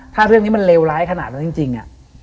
ถ้าเรื่องนี้มันเลวร้ายขนาดนั้นจริง